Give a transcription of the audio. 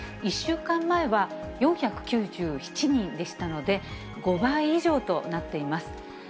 １週間前は、４９７人でしたので、５倍以上となっています。